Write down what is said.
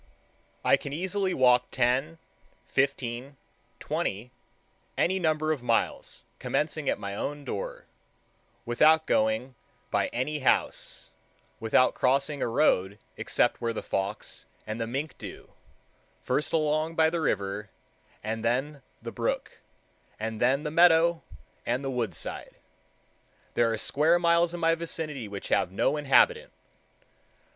I can easily walk ten, fifteen, twenty, any number of miles, commencing at my own door, without going by any house, without crossing a road except where the fox and the mink do: first along by the river, and then the brook, and then the meadow and the wood side. There are square miles in my vicinity which have no inhabitant.